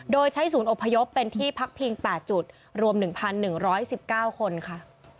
โดยใช้ศูนย์อพยพเป็นที่พักพิง๘จุดรวม๑๑๑๙คนค่ะ